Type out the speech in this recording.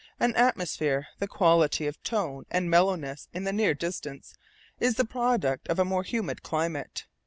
An atmosphere, the quality of tone and mellowness in the near distance, is the product of a more humid climate.